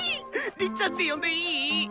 りっちゃんって呼んでいい？